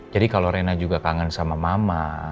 jadi kalau rena juga kangen sama mama